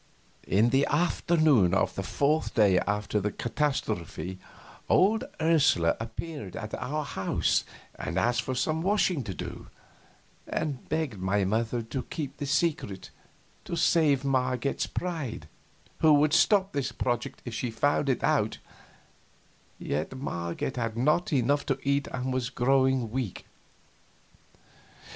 In the afternoon of the fourth day after the catastrophe old Ursula appeared at our house and asked for some washing to do, and begged my mother to keep this secret, to save Marget's pride, who would stop this project if she found it out, yet Marget had not enough to eat and was growing weak.